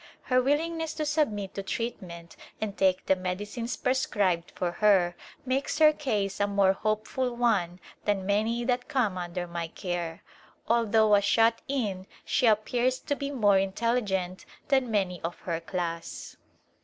Her willingness to submit to treat ment and take the medicines prescribed for her makes her case a more hopeful one than many that come under my care. Although a " shut in " she appears to be more intelligent than many of her class.